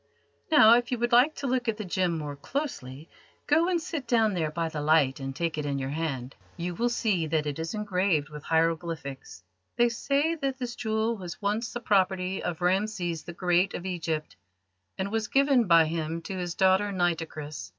Now, if you would like to look at the gem more closely, go and sit down there by the light and take it in your hand. You will see that it is engraved with hieroglyphics. They say that this jewel was once the property of Rameses the Great of Egypt, and was given by him to his daughter Nitocris."